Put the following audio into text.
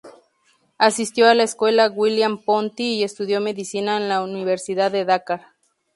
Asistió a la Escuela William Ponty y estudió Medicina en la Universidad de Dakar.